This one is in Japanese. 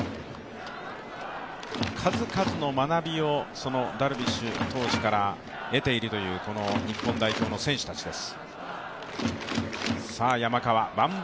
数々の学びをダルビッシュ投手から得ているという日本代表の選手たちです。